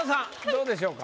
どうでしょうか？